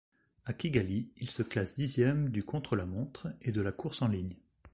À Kigali, il se classe dixième du contre-la-montre et de la course en ligne.